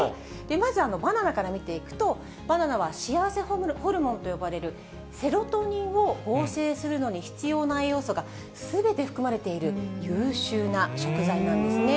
まずバナナから見ていくと、バナナは幸せホルモンと呼ばれるセロトニンを合成するのに必要な栄養素が、すべて含まれている優秀な食材なんですね。